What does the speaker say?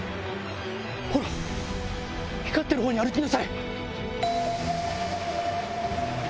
ほら、光ってるほうに歩きなさい。